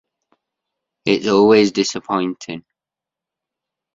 It's always disappointing.